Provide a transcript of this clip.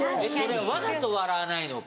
それわざと笑わないのか。